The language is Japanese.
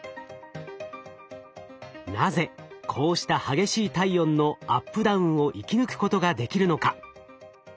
なぜこうした激しい体温のアップダウンを生き抜くことができるのか。